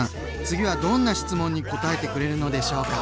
次はどんな質問にこたえてくれるのでしょうか？